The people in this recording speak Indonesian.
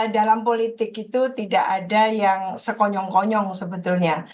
dalam politik itu tidak ada yang sekonyong konyong sebetulnya